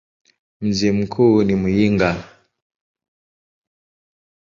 Mji mkuu ni Muyinga.